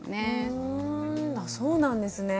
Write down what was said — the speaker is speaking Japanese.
ふんあそうなんですね。